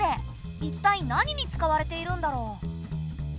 いったい何に使われているんだろう？